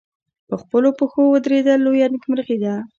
په خپلو پښو ودرېدل لویه نېکمرغي ده.